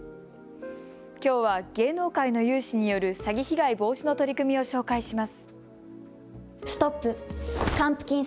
きょうは芸能界の有志による詐欺被害防止の取り組みを紹介します。